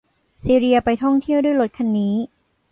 ซีเลียไปท่องเที่ยวด้วยรถคันนี้